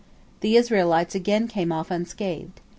The Israelites again came off unscathed.